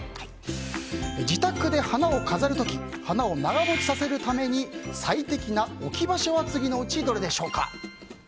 自宅で花を飾る時花を長持ちさせるために最適な置き場所は次のうちどれでしょうか。